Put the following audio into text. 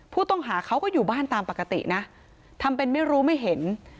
ผู้ต้องหาเขาก็อยู่บ้านตามปกตินะทำเป็นไม่รู้ไม่เห็น